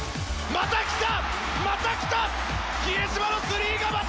また来た！